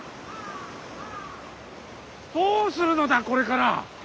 どうするのだこれから。